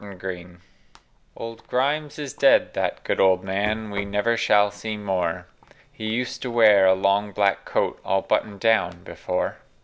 OLD GRIMES Old Grimes is dead; that good old man We never shall see more: He used to wear a long, black coat, All button'd down before.